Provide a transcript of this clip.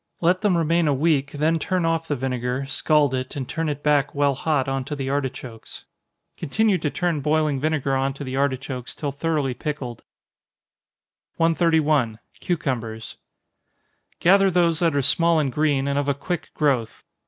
Let them remain a week, then turn off the vinegar, scald it, and turn it back while hot on to the artichokes. Continue to turn boiling vinegar on to the artichokes till thoroughly pickled. 131. Cucumbers. Gather those that are small and green, and of a quick growth.